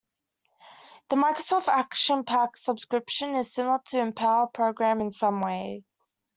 The Microsoft Action Pack Subscription is similar to the Empower Program in some ways.